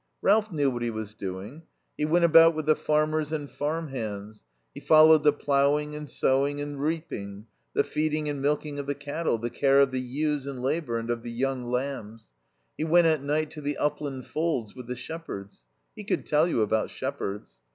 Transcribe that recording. Ralph knew what he was doing. He went about with the farmers and farm hands; he followed the ploughing and sowing and the reaping, the feeding and milking of the cattle, the care of the ewes in labour and of the young lambs. He went at night to the upland folds with the shepherds; he could tell you about shepherds.